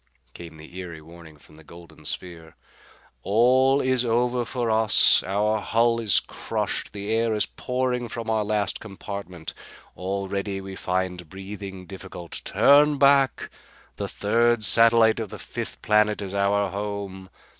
came the eery warning from the golden sphere. "All is over for us. Our hull is crushed. The air is pouring from our last compartment. Already we find breathing difficult. Turn back! The third satellite of the fifth planet is our home.